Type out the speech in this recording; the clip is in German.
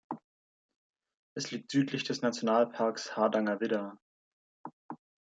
Es liegt südlich des Nationalparks Hardangervidda.